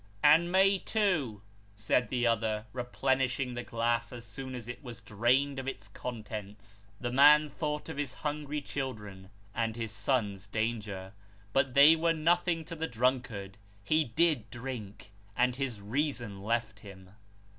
" And me too," said the other, replenishing the glass as soon as it was drained of its contents. The man thought of his hungry children, and his son's danger. But they were nothing to the drunkard. Ho did drink; and his reason left him.